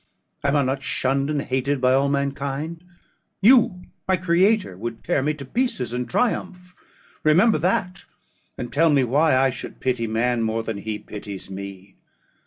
Am I not shunned and hated by all mankind? You, my creator, would tear me to pieces, and triumph; remember that, and tell me why I should pity man more than he pities me?